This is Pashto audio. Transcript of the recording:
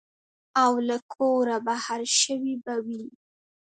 او له کوره بهر شوي به وي.